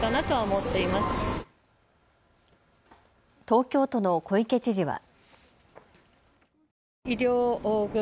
東京都の小池知事は。